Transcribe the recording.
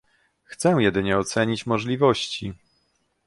chcę jedynie ocenić możliwości